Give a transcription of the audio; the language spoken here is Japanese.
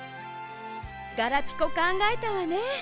ガラピコかんがえたわね。